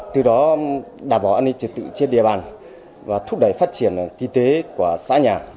từ đó đảm bảo an ninh trật tự trên địa bàn và thúc đẩy phát triển kinh tế của xã nhà